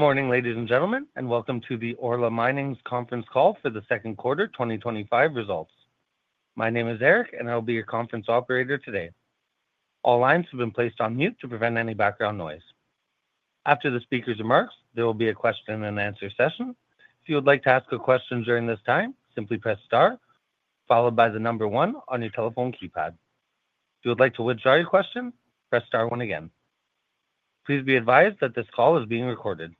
Good morning, ladies and gentlemen, and Welcome to Orla Mining's Conference Call for the Second Quarter 2025 Results. My name is Eric, and I will be your conference operator today. All lines have been placed on mute to prevent any background noise. After the speaker's remarks, there will be a question and answer session. If you would like to ask a question during this time, simply press star, followed by the number one on your telephone keypad. If you would like to withdraw your question, press star one again. Please be advised that this call is being recorded.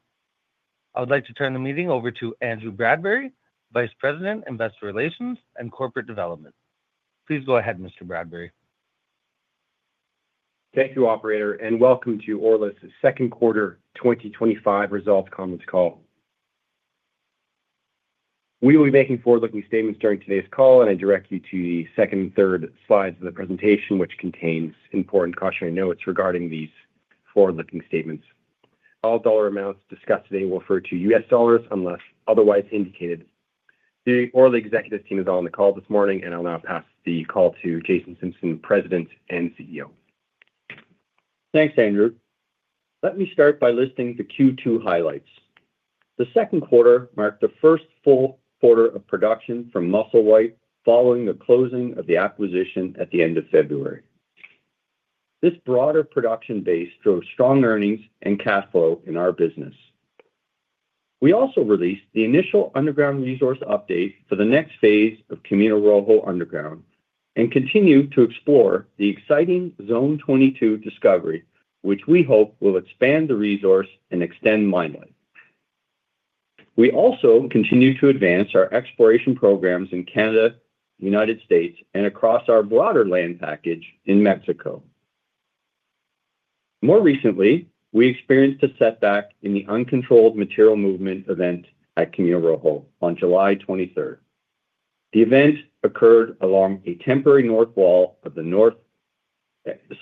I would like to turn the meeting over to Andrew Bradbury, Vice President, Investor Relations and Corporate Development. Please go ahead, Mr. Bradbury. Thank you, Operator, and welcome to Orla's second quarter 2025 results conference call. We will be making forward-looking statements during today's call, and I direct you to the second and third slides of the presentation, which contain important cautionary notes regarding these forward-looking statements. All dollar amounts discussed today will refer to U.S. dollars unless otherwise indicated. The Orla executive team is on the call this morning, and I'll now pass the call to Jason Simpson, President and Chief Executive Officer. Thanks, Andrew. Let me start by listing the Q2 highlights. The second quarter marked the first full quarter of production from Musselwhite Mine, following the closing of the acquisition at the end of February. This broader production base drove strong earnings and cash flow in our business. We also released the initial underground resource update for the next phase of Camino Rojo Underground and continue to explore the exciting Zone 22 discovery, which we hope will expand the resource and extend mine life. We also continue to advance our exploration programs in Canada, the United States, and across our broader land package in Mexico. More recently, we experienced a setback in the uncontrolled material movement event at Camino Rojo on July 23rd. The event occurred along a temporary north wall of the north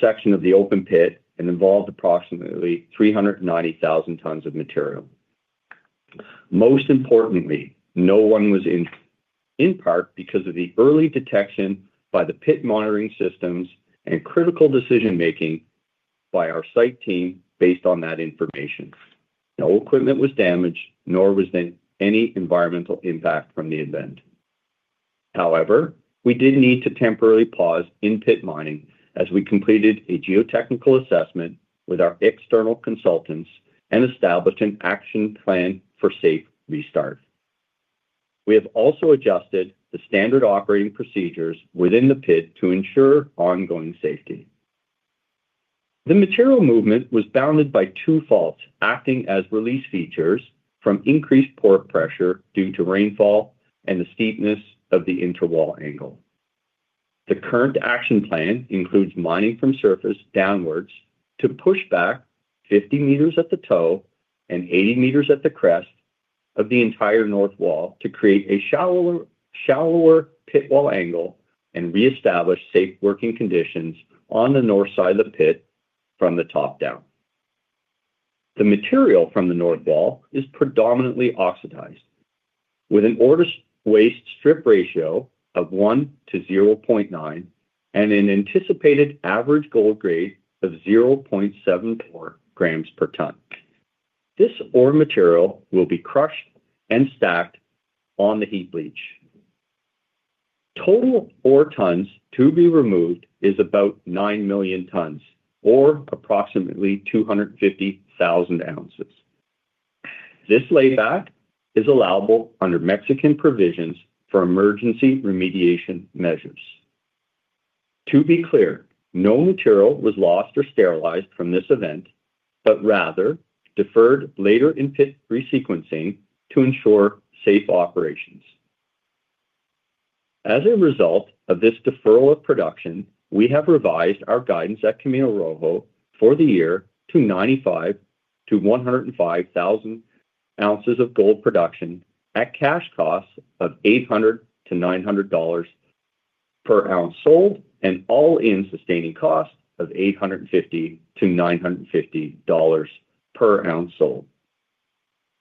section of the open pit and involved approximately 390,000 tons of material. Most importantly, no one was injured, in part because of the early detection by the pit monitoring systems and critical decision-making by our site team based on that information. No equipment was damaged, nor was there any environmental impact from the event. However, we did need to temporarily pause in-pit mining as we completed a geotechnical assessment with our external consultants and established an action plan for safe restart. We have also adjusted the standard operating procedures within the pit to ensure ongoing safety. The material movement was bounded by two faults acting as release features from increased pore pressure due to rainfall and the steepness of the interwall angle. The current action plan includes mining from surface downwards to push back 50 meters at the toe and 80 meters at the crest of the entire north wall to create a shallower pit wall angle and reestablish safe working conditions on the north side of the pit from the top down. The material from the north wall is predominantly oxidized, with an ore to waste strip ratio of 1-0.9 and an anticipated average gold grade of 0.74 grams per ton. This ore material will be crushed and stacked on the heap leach. Total ore tons to be removed is about 9 million tons, or approximately 250,000 ounces. This laidback is allowable under Mexican provisions for emergency remediation measures. To be clear, no material was lost or sterilized from this event, but rather deferred later in pit resequencing to ensure safe operations. As a result of this deferral of production, we have revised our guidance at Camino Rojo for the year to 95,000-105,000 ounces of gold production at cash costs of $800-$900 per ounce sold and all-in sustaining costs of $850-$950 per ounce sold.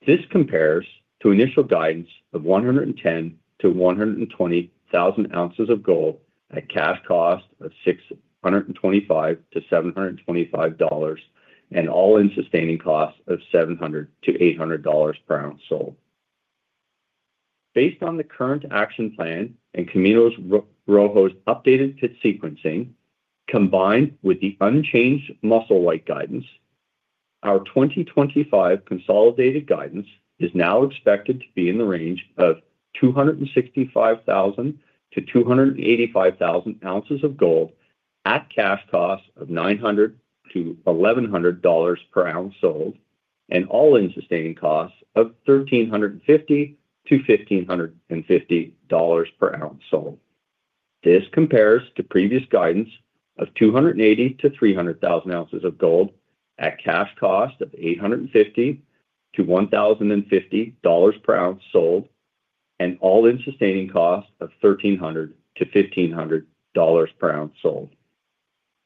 This compares to initial guidance of 110,000-120,000 ounces of gold at cash costs of $625-$725 and all-in sustaining costs of $700-$800 per ounce sold. Based on the current action plan and Camino Rojo's updated pit sequencing, combined with the unchanged Musselwhite Mine guidance, our 2025 consolidated guidance is now expected to be in the range of 265,000-285,000 ounces of gold at cash costs of $900-$1,100 per ounce sold and all-in sustaining costs of $1,350-$1,550 per ounce sold. This compares to previous guidance of 280,000-300,000 ounces of gold at cash costs of $850-$1,050 per ounce sold and all-in sustaining costs of $1,300-$1,500 per ounce sold.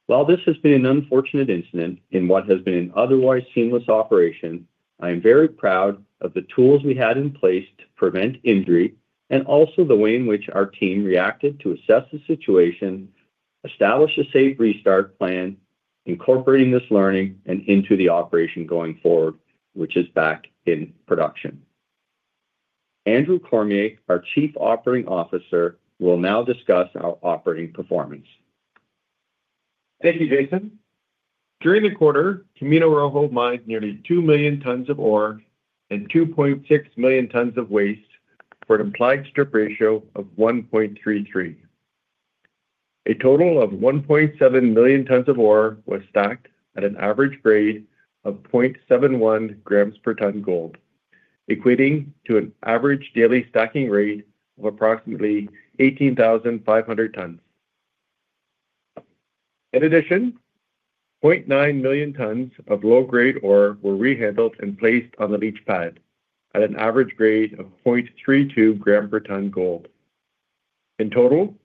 While this has been an unfortunate incident in what has been an otherwise seamless operation, I am very proud of the tools we had in place to prevent injury and also the way in which our team reacted to assess the situation, establish a safe restart plan, incorporating this learning into the operation going forward, which is back in production. Andrew Cormier, our Chief Operating Officer, will now discuss our operating performance. Thank you, Jason. During the quarter, Camino Rojo mined nearly 2 million tons of ore and 2.6 million tons of waste for an implied strip ratio of 1.33. A total of 1.7 million tons of ore was stacked at an average grade of 0.71 grams per ton gold, equating to an average daily stacking rate of approximately 18,500 tons. In addition, 0.9 million tons of low-grade ore were re-handled and placed on the leach pad at an average grade of 0.32 grams per ton gold. In total,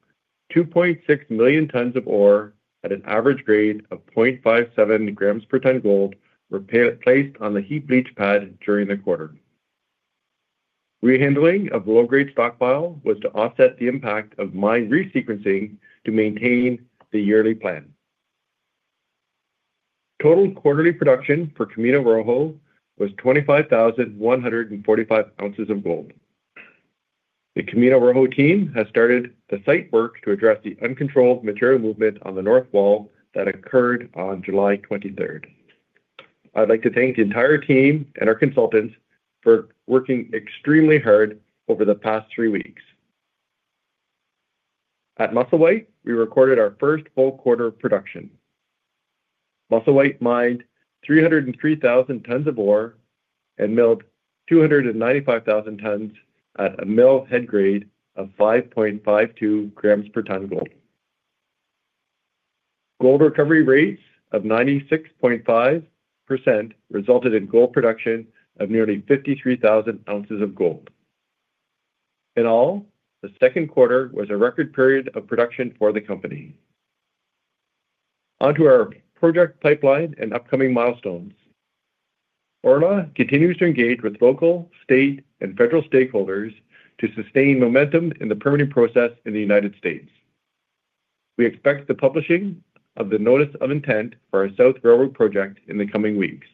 2.6 million tons of ore at an average grade of 0.57 grams per ton gold were placed on the heap leach pad during the quarter. Rehandling of low-grade stockpile was to offset the impact of mine resequencing to maintain the yearly plan. Total quarterly production for Camino Rojo was 25,145 ounces of gold. The Camino Rojo team has started the site work to address the uncontrolled material movement on the north wall that occurred on July 23rd. I'd like to thank the entire team and our consultants for working extremely hard over the past three weeks. At Musselwhite, we recorded our first full quarter production. Musselwhite mined 303,000 tons of ore and milled 295,000 tons at a mill head grade of 5.52 grams per ton gold. Gold recovery rates of 96.5% resulted in gold production of nearly 53,000 ounces of gold. In all, the second quarter was a record period of production for the company. Onto our project pipeline and upcoming milestones. Orla continues to engage with local, state, and federal stakeholders to sustain momentum in the permitting process in the United States. We expect the publishing of the notice of intent for our South Railroad Project in the coming weeks.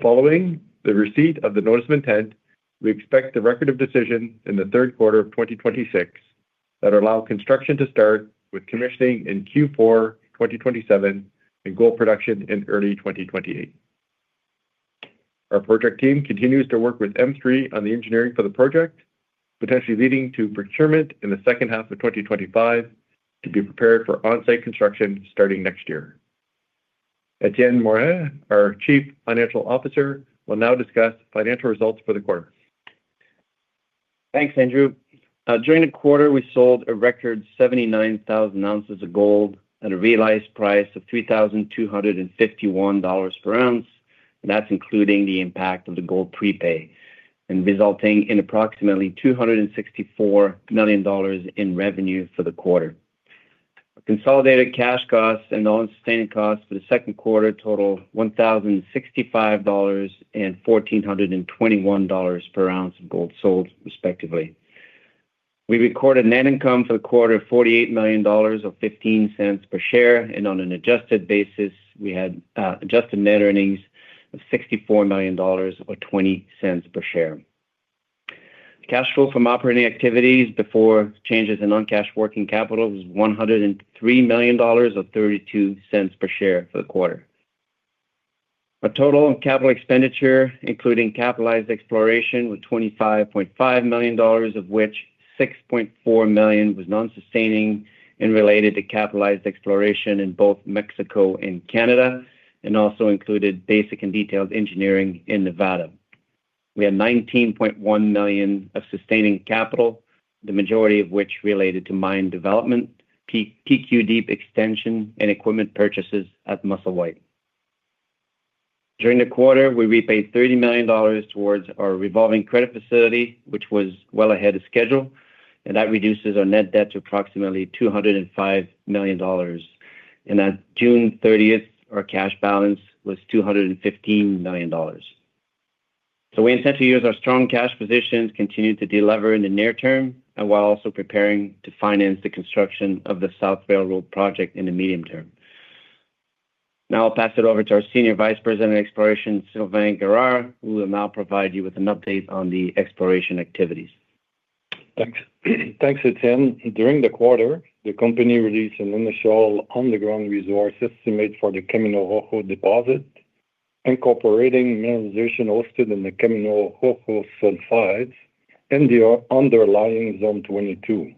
Following the receipt of the notice of intent, we expect the record of decision in the third quarter of 2026 that allows construction to start with commissioning in Q4 2027 and gold production in early 2028. Our project team continues to work with M3 on the engineering for the project, potentially leading to procurement in the second half of 2025 to be prepared for onsite construction starting next year. Etienne Morin, our Chief Financial Officer, will now discuss financial results for the quarter. Thanks, Andrew. During the quarter, we sold a record 79,000 ounces of gold at a realized price of $3,251 per ounce, and that's including the impact of the gold prepay and resulting in approximately $264 million in revenue for the quarter. Consolidated cash costs and non-sustaining costs for the second quarter total $1,065 and $1,421 per ounce of gold sold, respectively. We recorded net income for the quarter of $48 million or $0.15 per share, and on an adjusted basis, we had adjusted net earnings of $64 million or $0.20 per share. Cash flow from operating activities before changes in non-cash working capital was $103 million or $0.32 per share for the quarter. A total on capital expenditure, including capitalized exploration, was $25.5 million, of which $6.4 million was non-sustaining and related to capitalized exploration in both Mexico and Canada, and also included basic and detailed engineering in Nevada. We had $19.1 million of sustaining capital, the majority of which related to mine development, PQ deep extension, and equipment purchases at Musselwhite Mine. During the quarter, we repaid $30 million towards our revolving credit facility, which was well ahead of schedule, and that reduces our net debt to approximately $205 million. On June 30, our cash balance was $215 million. We intend to use our strong cash positions to continue to deliver in the near term, while also preparing to finance the construction of the South Railroad Project in the medium term. Now I'll pass it over to our Senior Vice President, Exploration, Sylvain Guerard, who will now provide you with an update on the exploration activities. Thanks, Etienne. During the quarter, the company released an initial underground resource estimate for the Camino Rojo deposit, incorporating mineralization hosted in the Camino Rojo subsides and the underlying Zone 22.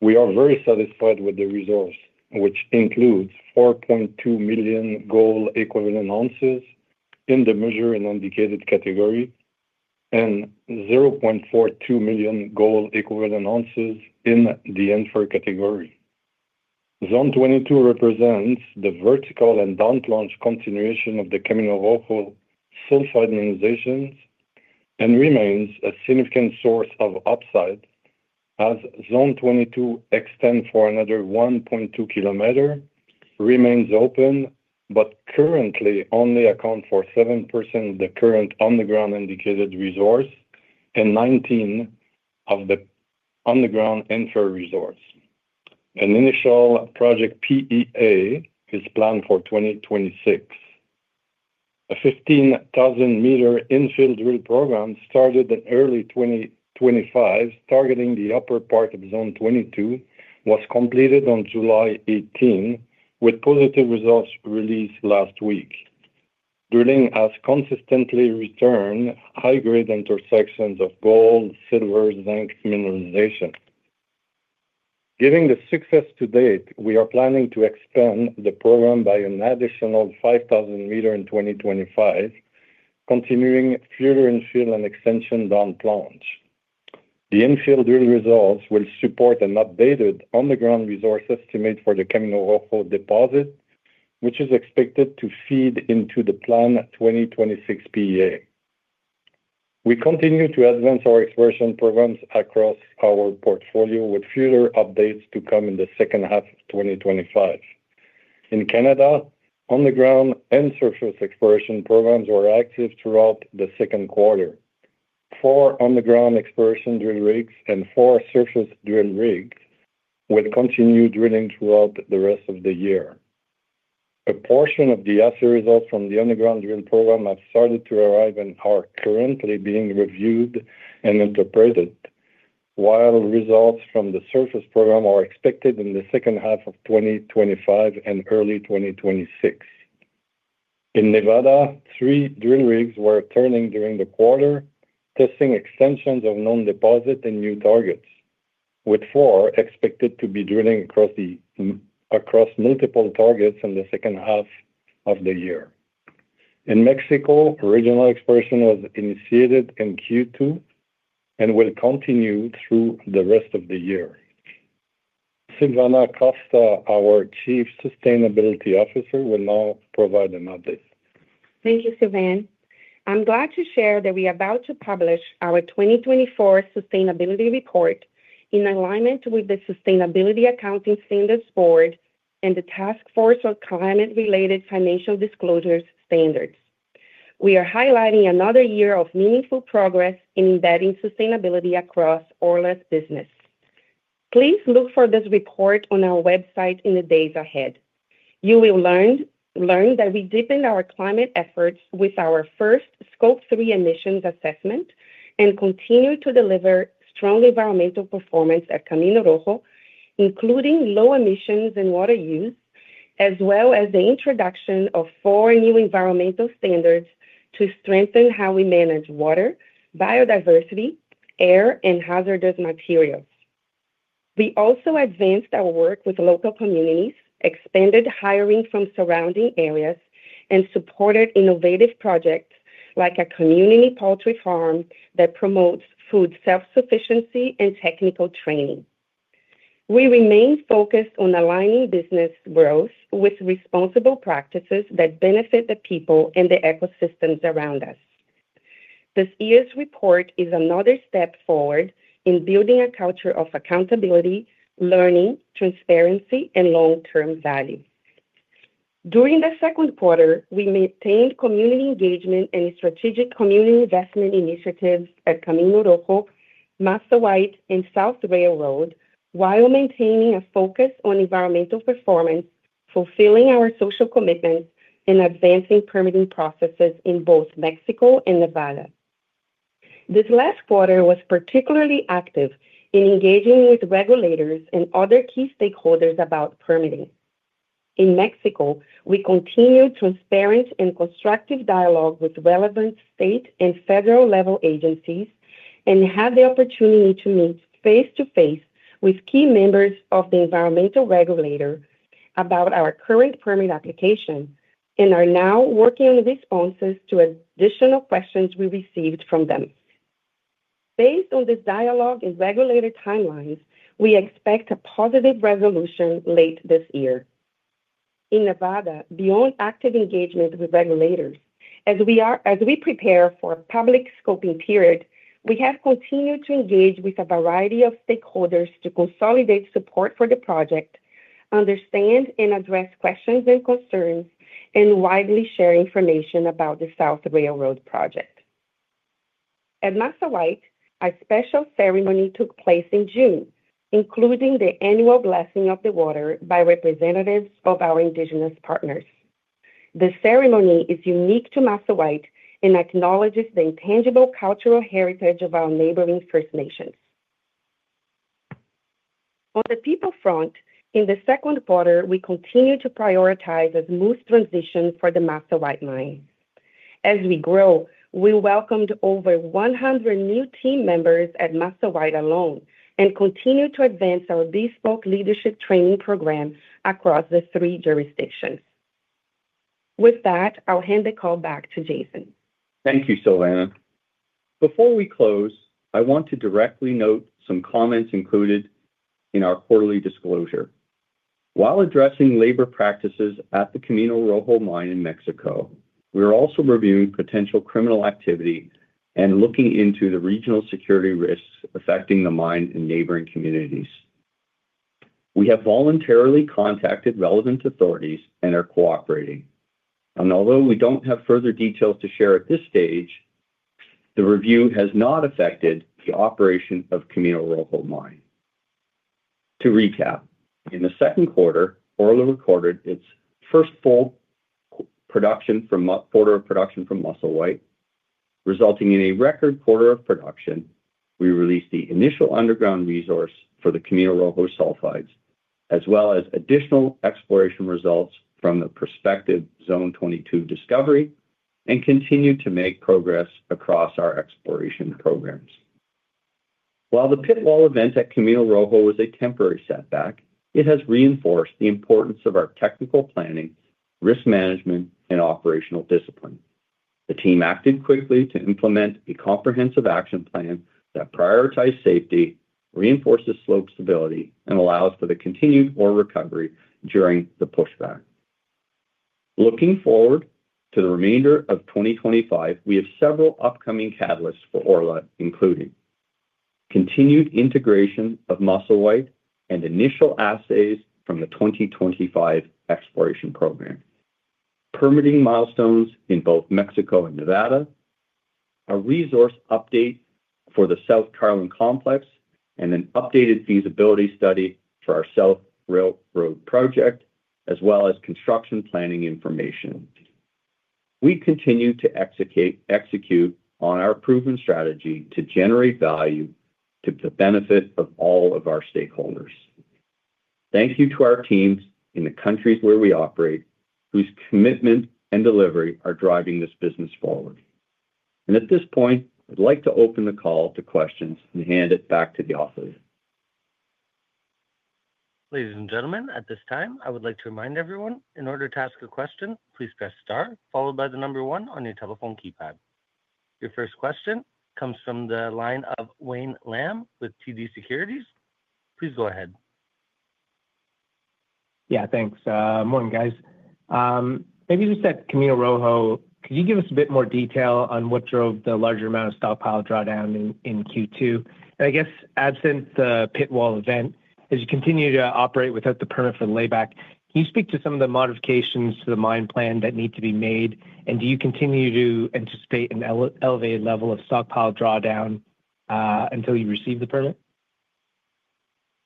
We are very satisfied with the results, which include 4.2 million gold equivalent ounces in the measured and indicated category and 0.42 million gold equivalent ounces in the inferred category. Zone 22 represents the vertical and down-dip continuation of the Camino Rojo subsides mineralization and remains a significant source of upside, as Zone 22 extends for another 1.2 km, remains open, but currently only accounts for 7% of the current underground indicated resource and 19% of the underground inferred resource. An initial project PEA is planned for 2026. A 15,000-meter infill drill program started in early 2025, targeting the upper part of Zone 22, was completed on July 18th, with positive results released last week. Drilling has consistently returned high-grade intersections of gold, silver, and zinc mineralization. Given the success to date, we are planning to expand the program by an additional 5,000 meters in 2025, continuing further infill and extension down plunge. The infill drill results will support an updated underground resource estimate for the Camino Rojo deposit, which is expected to feed into the planned 2026 PEA. We continue to advance our exploration programs across our portfolio with further updates to come in the second half of 2025. In Canada, underground and surface exploration programs were active throughout the second quarter. Four underground exploration drill rigs and four surface drill rigs will continue drilling throughout the rest of the year. A portion of the assay results from the underground drill program have started to arrive and are currently being reviewed and interpreted, while results from the surface program are expected in the second half of 2025 and early 2026. In Nevada, three drill rigs were turning during the quarter, testing extensions of known deposits and new targets, with four expected to be drilling across multiple targets in the second half of the year. In Mexico, regional exploration was initiated in Q2 and will continue through the rest of the year. Silvana Costa, our Chief Sustainability Officer, will now provide an update. Thank you, Sylvain. I'm glad to share that we are about to publish our 2024 Sustainability Report in alignment with the Sustainability Accounting Standards Board and the Task Force on Climate-Related Financial Disclosures Standards. We are highlighting another year of meaningful progress in embedding sustainability across Orla's business. Please look for this report on our website in the days ahead. You will learn that we deepened our climate efforts with our first Scope 3 emissions assessment and continue to deliver strong environmental performance at Camino Rojo, including low emissions in water use, as well as the introduction of four new environmental standards to strengthen how we manage water, biodiversity, air, and hazardous materials. We also advanced our work with local communities, expanded hiring from surrounding areas, and supported innovative projects like a community poultry farm that promotes food self-sufficiency and technical training. We remain focused on aligning business growth with responsible practices that benefit the people and the ecosystems around us. This year's report is another step forward in building a culture of accountability, learning, transparency, and long-term value. During the second quarter, we maintained community engagement and strategic community investment initiatives at Camino Rojo, Musselwhite Mine, and South Railroad Project, while maintaining a focus on environmental performance, fulfilling our social commitment, and advancing permitting processes in both Mexico and Nevada. This last quarter was particularly active in engaging with regulators and other key stakeholders about permitting. In Mexico, we continued transparent and constructive dialogue with relevant state and federal level agencies and had the opportunity to meet face-to-face with key members of the environmental regulators about our current permit application and are now working on responses to additional questions we received from them. Based on this dialogue and regulatory timelines, we expect a positive resolution late this year. In Nevada, beyond active engagement with regulators, as we prepare for a public scoping period, we have continued to engage with a variety of stakeholders to consolidate support for the project, understand and address questions and concerns, and widely share information about the South Railroad Project. At Musselwhite Mine, a special ceremony took place in June, including the annual blessing of the water by representatives of our Indigenous partners. The ceremony is unique to Musselwhite Mine and acknowledges the intangible cultural heritage of our neighboring First Nations. On the people front, in the second quarter, we continue to prioritize a smooth transition for the Musselwhite Mine. As we grow, we welcomed over 100 new team members at Musselwhite Mine alone and continue to advance our bespoke leadership training program across the three jurisdictions. With that, I'll hand the call back to Jason. Thank you, Silvana. Before we close, I want to directly note some comments included in our quarterly disclosure. While addressing labor practices at the Camino Rojo mine in Mexico, we are also reviewing potential criminal activity and looking into the regional security risks affecting the mine and neighboring communities. We have voluntarily contacted relevant authorities and are cooperating. Although we don't have further details to share at this stage, the review has not affected the operation of Camino Rojo mine. To recap, in the second quarter, Orla recorded its first full quarter of production from Musselwhite Mine, resulting in a record quarter of production. We released the initial underground resource for the Camino Rojo sulfides, as well as additional exploration results from the prospective Zone 22 discovery, and continued to make progress across our exploration programs. While the pit wall event at Camino Rojo was a temporary setback, it has reinforced the importance of our technical planning, risk management, and operational discipline. The team acted quickly to implement a comprehensive geotechnical action plan that prioritized safety, reinforces slope stability, and allows for the continued ore recovery during the pushback. Looking forward to the remainder of 2025, we have several upcoming catalysts for Orla, including continued integration of Musselwhite Mine and initial assay results from the 2025 exploration program, permitting milestones in both Mexico and Nevada, a resource update for the South Railroad Project, and an updated feasibility study for our South Railroad Project, as well as construction planning information. We continue to execute on our proven strategy to generate value to the benefit of all of our stakeholders. Thank you to our teams in the countries where we operate, whose commitment and delivery are driving this business forward. At this point, I'd like to open the call to questions and hand it back to the office. Ladies and gentlemen, at this time, I would like to remind everyone, in order to ask a question, please press star, followed by the number one on your telephone keypad. Your first question comes from the line of Wayne Lam with TD Securities. Please go ahead. Yeah, thanks. Morning, guys. Maybe just at Camino Rojo, could you give us a bit more detail on what drove the larger amount of stockpile drawdown in Q2? I guess, absent the pit wall event, as you continue to operate without the permit for the layback, can you speak to some of the modifications to the mine plan that need to be made, and do you continue to anticipate an elevated level of stockpile drawdown until you receive the permit?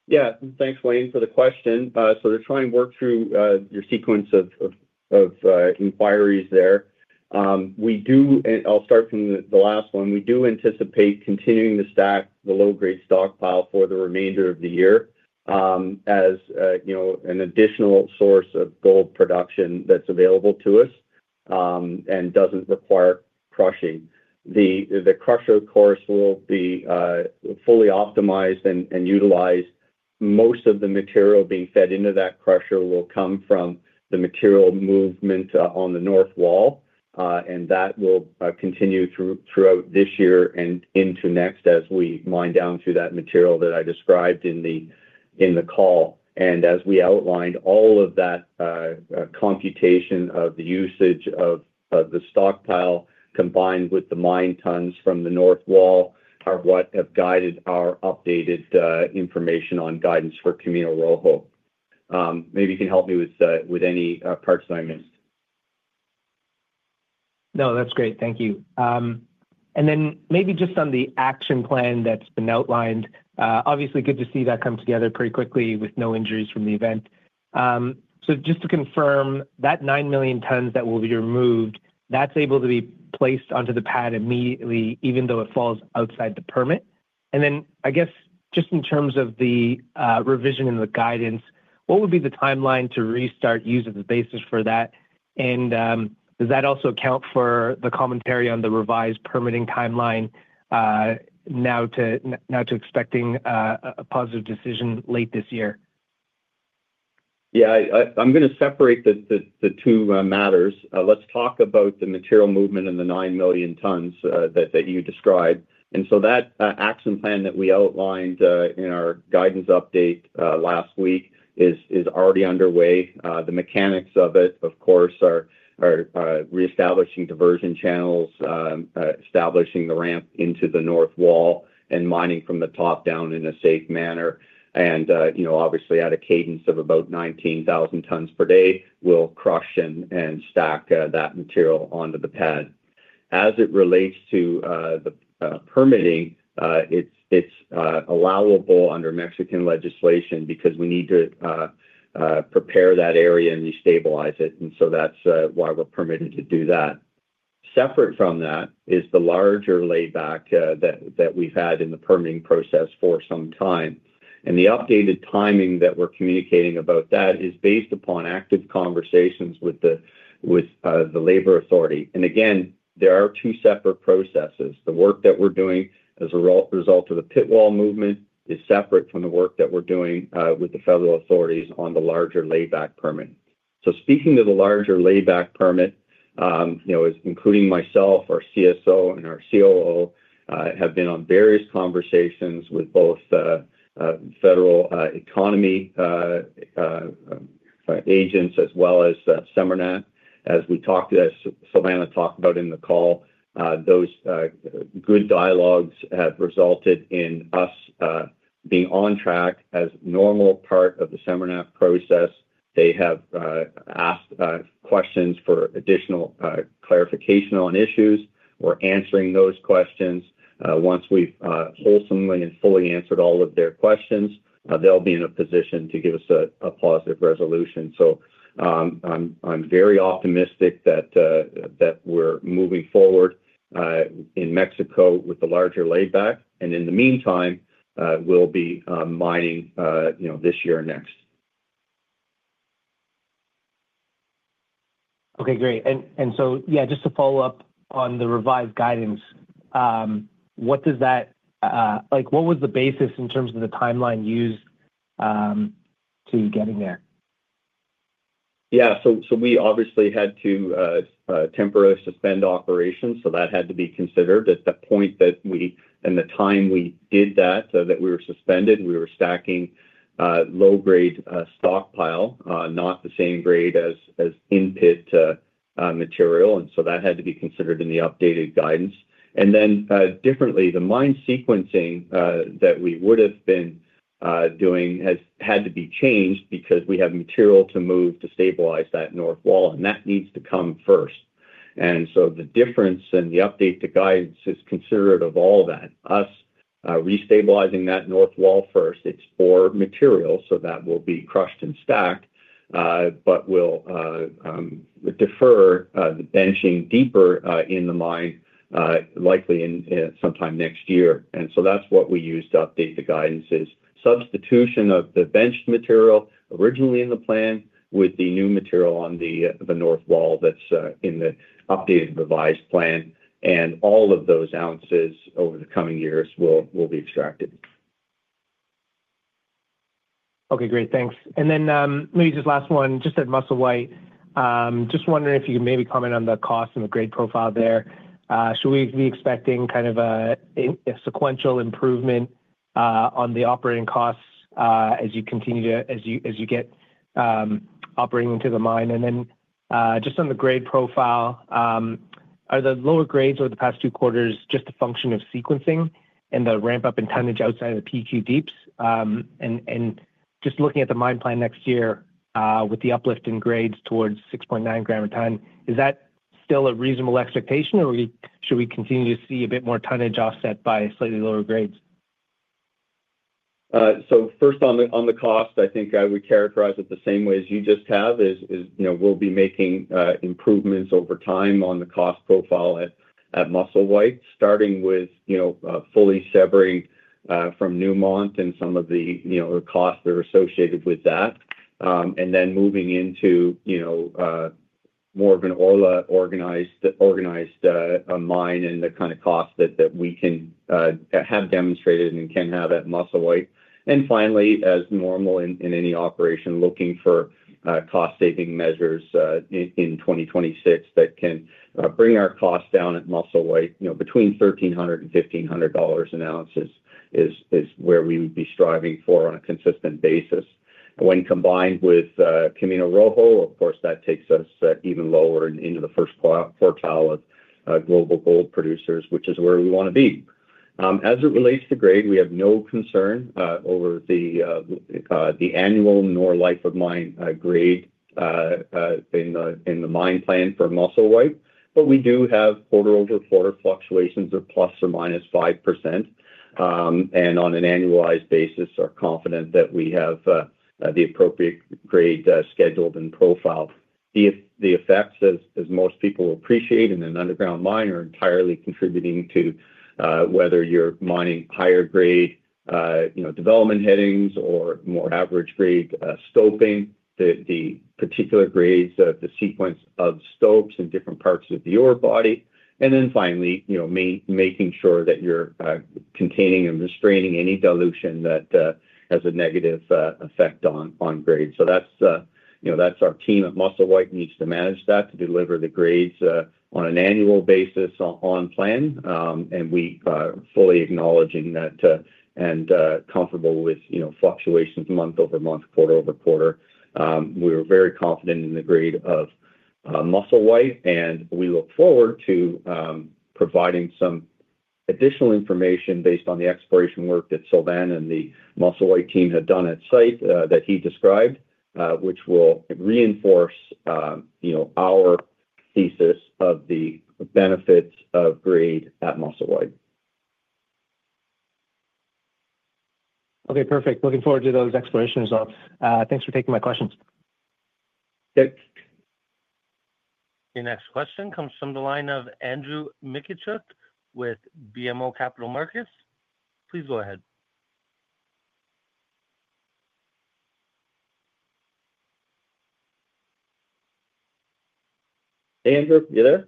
Yeah, thanks, Wayne, for the question. To try and work through your sequence of inquiries there, we do, and I'll start from the last one. We do anticipate continuing to stack the low-grade stockpile for the remainder of the year, as you know, an additional source of gold production that's available to us and doesn't require crushing. The crusher, of course, will be fully optimized and utilized. Most of the material being fed into that crusher will come from the material movement on the north wall, and that will continue throughout this year and into next as we mine down through that material that I described in the call. As we outlined, all of that computation of the usage of the stockpile combined with the mine tons from the north wall are what have guided our updated information on guidance for Camino Rojo. Maybe you can help me with any parts that I missed. No, that's great. Thank you. Maybe just on the action plan that's been outlined, obviously good to see that come together pretty quickly with no injuries from the event. Just to confirm, that 9 million tons that will be removed, that's able to be placed onto the pad immediately, even though it falls outside the permit. I guess just in terms of the revision in the guidance, what would be the timeline to restart use of the basis for that? Does that also account for the commentary on the revised permitting timeline now to expecting a positive decision late this year? Yeah, I'm going to separate the two matters. Let's talk about the material movement and the 9 million tons that you described. That action plan that we outlined in our guidance update last week is already underway. The mechanics of it, of course, are reestablishing diversion channels, establishing the ramp into the north wall, and mining from the top down in a safe manner. Obviously, at a cadence of about 19,000 tons per day, we'll crush and stack that material onto the pad. As it relates to the permitting, it's allowable under Mexican legislation because we need to prepare that area and restabilize it. That's why we're permitted to do that. Separate from that is the larger layback that we've had in the permitting process for some time. The updated timing that we're communicating about that is based upon active conversations with the labor authority. There are two separate processes. The work that we're doing as a result of the pit wall movement is separate from the work that we're doing with the federal authorities on the larger layback permit. Speaking to the larger layback permit, including myself, our Chief Sustainability Officer, and our Chief Operating Officer have been on various conversations with both federal economy agents as well as SEMERNAP. As Sylvana talked about in the call, those good dialogues have resulted in us being on track as a normal part of the SEMERNAP process. They have asked questions for additional clarification on issues. We're answering those questions. Once we've wholesomely and fully answered all of their questions, they'll be in a position to give us a positive resolution. I'm very optimistic that we're moving forward in Mexico with the larger layback. In the meantime, we'll be mining this year and next. Okay, great. Just to follow up on the revised 2025 production guidance, what does that, like, what was the basis in terms of the timeline used to getting there? Yeah, so we obviously had to temporarily suspend operations, so that had to be considered. At the point that we, and the time we did that, so that we were suspended, we were stacking low-grade stockpile, not the same grade as in-pit material. That had to be considered in the updated guidance. Differently, the mine sequencing that we would have been doing has had to be changed because we have material to move to stabilize that north wall, and that needs to come first. The difference in the update to guidance is considerate of all that. Us restabilizing that north wall first, it's for material, so that will be crushed and stacked, but we'll defer the benching deeper in the mine, likely sometime next year. That's what we used to update the guidance, is substitution of the benched material originally in the plan with the new material on the north wall that's in the updated revised plan. All of those ounces over the coming years will be extracted. Okay, great, thanks. Maybe just last one, just at Musselwhite Mine, just wondering if you can maybe comment on the cost and the grade profile there. Should we be expecting kind of a sequential improvement on the operating costs as you continue to, as you get operating into the mine? Just on the grade profile, are the lower grades over the past two quarters just a function of sequencing and the ramp-up in tonnage outside of the PQ deeps? Just looking at the mine plan next year with the uplift in grades towards 6.9 grams a ton, is that still a reasonable expectation or should we continue to see a bit more tonnage offset by slightly lower grades? On the cost, I think I would characterize it the same way as you just have. We'll be making improvements over time on the cost profile at Musselwhite Mine, starting with fully severing from Newmont Corporation and some of the costs that are associated with that. Then moving into more of an Orla organized mine and the kind of costs that we can have demonstrated and can have at Musselwhite Mine. Finally, as normal in any operation, looking for cost-saving measures in 2026 that can bring our costs down at Musselwhite Mine, between $1,300 and $1,500 an ounce is where we would be striving for on a consistent basis. When combined with Camino Rojo, of course, that takes us even lower into the first quartile of global gold producers, which is where we want to be. As it relates to grade, we have no concern over the annual nor life of mine grade in the mine plan for Musselwhite Mine, but we do have quarter over quarter fluctuations of plus or minus 5%. On an annualized basis, we're confident that we have the appropriate grade scheduled and profiled. The effects, as most people appreciate in an underground mine, are entirely contributing to whether you're mining higher grade development headings or more average grade stoping, the particular grades of the sequence of stopes in different parts of your body. Finally, making sure that you're containing and restraining any dilution that has a negative effect on grades. That's our team at Musselwhite Mine needing to manage that to deliver the grades on an annual basis on plan. We are fully acknowledging that and comfortable with fluctuations month over month, quarter over quarter. We're very confident in the grade of Musselwhite Mine, and we look forward to providing some additional information based on the exploration work that Sylvain Guerard and the Musselwhite Mine team have done at site that he described, which will reinforce our thesis of the benefits of grade at Musselwhite Mine. Okay, perfect. Looking forward to those exploration results. Thanks for taking my questions. Your next question comes from the line of Andrew Mikitchook with BMO Capital Markets. Please go ahead. Andrew, you there?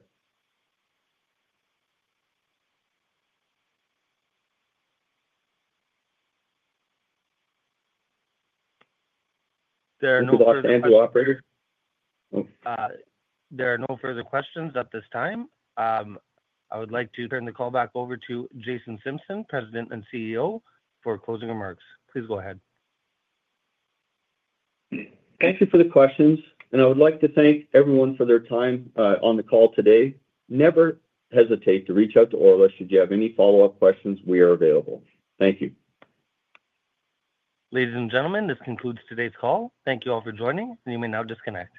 Thank you Operator There are no further questions at this time. I would like to turn the call back over to Jason Simpson, President and CEO, for closing remarks. Please go ahead. Thank you for the questions, and I would like to thank everyone for their time on the call today. Never hesitate to reach out to Orla. should you have any follow-up questions. We are available. Thank you. Ladies and gentlemen, this concludes today's call. Thank you all for joining, and you may now disconnect.